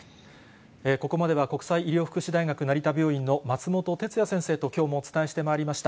ここまでは、国際医療福祉大学成田病院の松本哲哉先生ときょうもお伝えしてまいりました。